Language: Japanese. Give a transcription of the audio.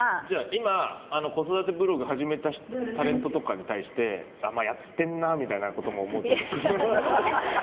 今、子育てブログ始めたタレントとかに対してやってんなみたいなことも思うってことですか？